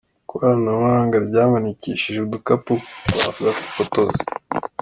Ikoranabuhanga ryamanikishije udukapu ba Gafotozi